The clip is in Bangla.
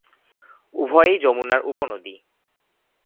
উভয়ই যমুনার উপ নদী।